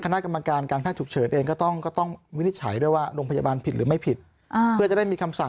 ธนายลตลงค่ะธนายลตลงค่ะ